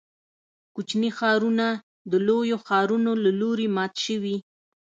کوچني ښارونه د لویو ښارونو له لوري مات شوي.